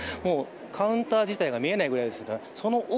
カウンター自体が見えないぐらいです。